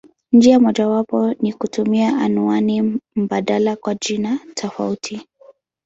Njia mojawapo ni kutumia anwani mbadala kwa jina tofauti.